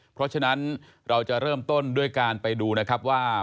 เพราะฉะนั้นเราจะเริ่มต้นด้วยการไปดูนะครับว่า